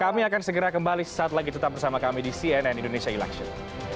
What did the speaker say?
kami akan segera kembali saat lagi tetap bersama kami di cnn indonesia election